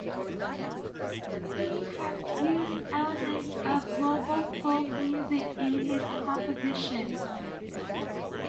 He has used elements of local folk music in his compositions.